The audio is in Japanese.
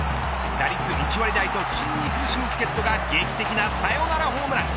打率１割台と不振に苦しむ助っ人が劇的なサヨナラホームラン。